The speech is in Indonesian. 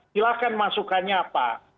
silakan masukannya apa